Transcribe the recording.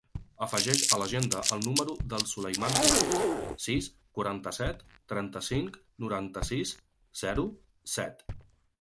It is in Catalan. Afegeix a l'agenda el número del Sulaiman Lario: sis, quaranta-set, trenta-cinc, noranta-sis, zero, set.